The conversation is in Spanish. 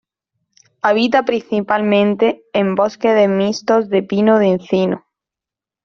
Habita principalmente en bosques mixtos de pino-encino.